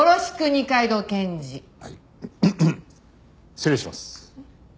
失礼します。